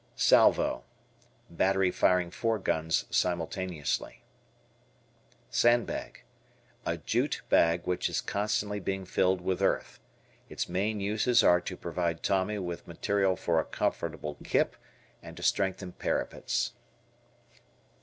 Salvo. Battery firing four guns simultaneously. Sandbag. A jute bag which is constantly being filled with earth. Its main uses are to provide Tommy with material for a comfortable kip and to strengthen parapets.